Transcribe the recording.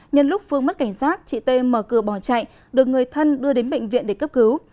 nhân lúc phương mất cảnh giác chị t mở cửa bỏ chạy được người thân đưa đến bệnh viện để cấp cứu